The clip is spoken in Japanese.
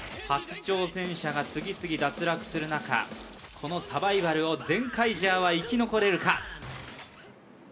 初挑戦者が次々脱落する中このサバイバルをゼンカイジャーは生き残れるか？